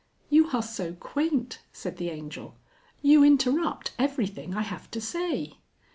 "You are so quaint," said the Angel; "you interrupt everything I have to say."